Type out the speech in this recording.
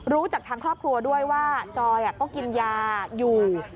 รู้จักทางครอบครัวด้วยว่าจอยก็กินยาอยู่